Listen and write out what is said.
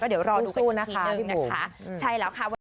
ก็เดี๋ยวรอดูกันอีกทีนึงนะคะ